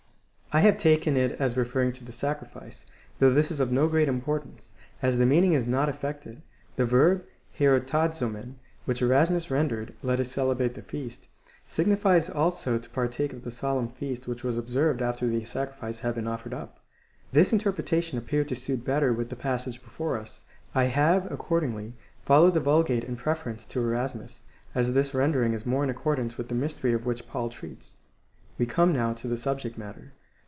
I have taken it as referring to the sacrifice, though this is of no great importance, as the meaning is not affected. The verb iopra^cofiev, which Erasmus rendered " Let us celebrate the feast," signifies also to partake of the solemn feast which Avas observed after the sacrifice had been offered up. This interpretation appeared to suit better with the passage before us. I have, accordingly, followed the Vulgate in preference to Erasmus, as this rendering is more in accordance with the mystery of which Paul treats. We come now to the subject matter.